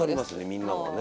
みんなでね。